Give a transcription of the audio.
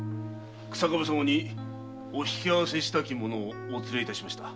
日下部様にお引き合わせしたき者をお連れ致しました。